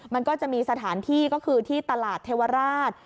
มันก็จะมีสถานที่ก็คือที่ตลาดเทวราช